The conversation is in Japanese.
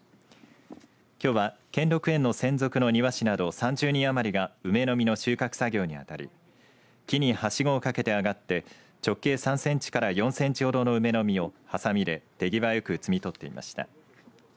きょうは兼六園の専属の庭師など３０人余りが梅の実の収穫作業に当たり木に、はしごをかけて上がって直径３センチから４センチほどの梅の実をはさみで手際よく摘み取っていました。